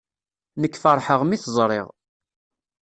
Nekk ferḥeɣ mi t-ẓriɣ.